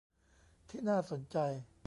ที่น่าสนใจ